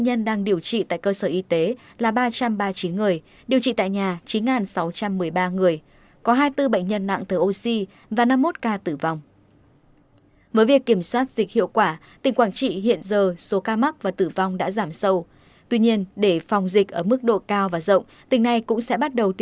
hãy đăng ký kênh để ủng hộ kênh của chúng mình nhé